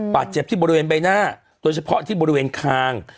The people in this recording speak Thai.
บาดเจ็บที่บริเวณใบหน้าโดยเฉพาะที่บริเวณคาง